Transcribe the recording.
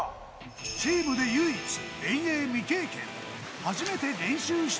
チームで唯一、遠泳未経験。